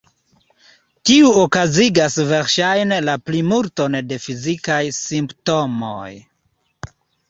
Tiu okazigas verŝajne la plimulton de fizikaj simptomoj.